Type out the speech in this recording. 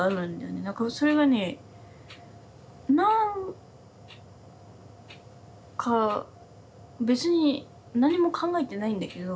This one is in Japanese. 何かそれがね何か別に何も考えてないんだけど。